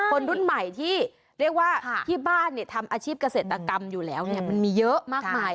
คนรุ่นใหม่ที่เรียกว่าที่บ้านทำอาชีพเกษตรกรรมอยู่แล้วเนี่ยมันมีเยอะมากมาย